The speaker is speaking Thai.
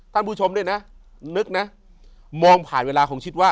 ก็คุ้มคุ้มได้นะมองผ่านเวลาของชิดว่า